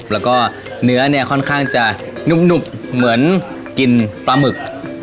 แล้วก็เนื้อเนี่ยค่อนข้างจะนุ่มเหมือนกินปลาหมึก